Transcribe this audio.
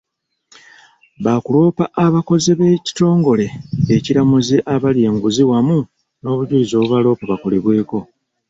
Baakuloopa abakoze b'ekitongole ekiramuzi abalya enguzi wamu n'obujulizi obubaloopa bakolebweko.